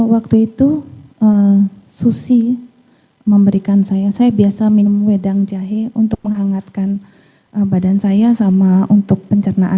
waktu itu susi memberikan saya saya biasa minum wedang jahe untuk menghangatkan badan saya sama untuk pencernaan